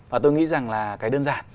và tôi nghĩ rằng là cái đơn giản